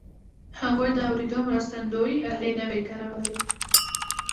هغوی د اورېدو مرستندويي الې نه وې کارولې